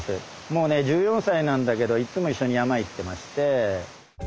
もうね１４歳なんだけどいつも一緒に山へ行ってまして。